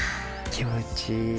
気持ちいい。